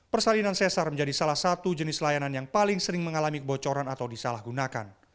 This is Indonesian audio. kesehatan adalah salah satu jenis pelayanan yang paling sering mengalami kebocoran atau disalahgunakan